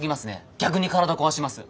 逆に体壊します。